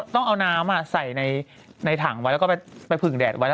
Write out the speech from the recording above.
ต้องเอาน้ำใส่ในถังไว้แล้วก็ไปผึ่งแดดไว้แล้ว